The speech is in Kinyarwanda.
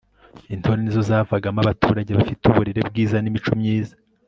intore nizo zavagamo abaturage bafite uburere bwiza, n'imico myiza